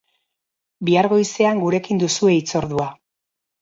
Bihar goizean gurekin duzue hitzordua!